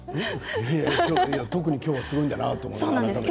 特に今日はすごいんだなと思って。